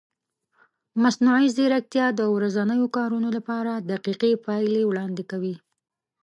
مصنوعي ځیرکتیا د ورځنیو کارونو لپاره دقیقې پایلې وړاندې کوي.